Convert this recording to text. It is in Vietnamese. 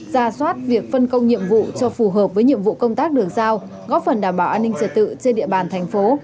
ra soát việc phân công nhiệm vụ cho phù hợp với nhiệm vụ công tác được giao góp phần đảm bảo an ninh trật tự trên địa bàn thành phố